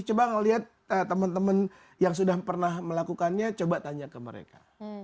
coba ngelihat teman teman yang sudah pernah melakukannya coba tanya ke mereka